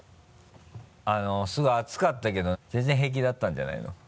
すごい暑かったけど全然平気だったんじゃないの？